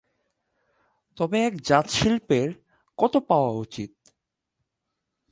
তবে এক জাত শিল্পীর কত পাওয়া উচিত?